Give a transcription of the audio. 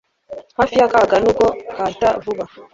hafi y'akaga, nubwo kahita vuba